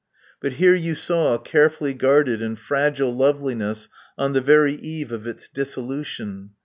But here you saw a carefully guarded and fragile loveliness on the very eve of its dissolution.